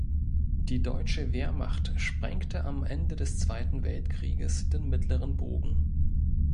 Die deutsche Wehrmacht sprengte am Ende des Zweiten Weltkrieges den mittleren Bogen.